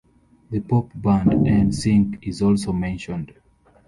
The Pop band 'N Sync is also mentioned.